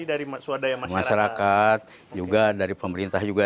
jadi dari swadaya masyarakat juga dari pemerintah juga